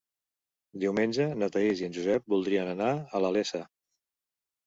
Diumenge na Thaís i en Josep voldrien anar a la Iessa.